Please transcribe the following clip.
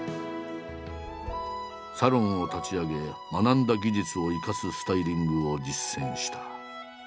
サロンを立ち上げ学んだ技術を生かすスタイリングを実践した。